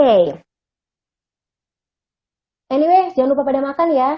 any anyway jangan lupa pada makan ya